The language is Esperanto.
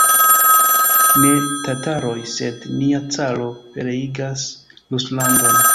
Ne tataroj, sed nia caro pereigas Ruslandon!